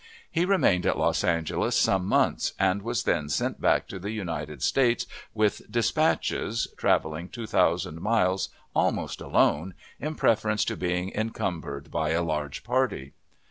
He remained at Los Angeles some months, and was then sent back to the United Staten with dispatches, traveling two thousand miles almost alone, in preference to being encumbered by a large party.